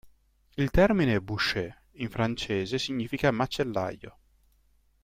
Il termine "boucher" in francese significa "macellaio".